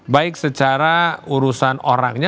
baik secara urusan orangnya